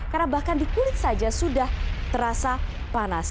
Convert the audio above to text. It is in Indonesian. karena bahkan di kulit saja sudah terasa panas